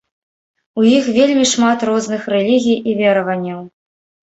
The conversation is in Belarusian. У іх вельмі шмат розных рэлігій і вераванняў.